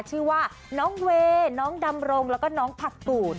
ชื่อว่าน้องเวย์น้องดำรงแล้วก็น้องผักตูน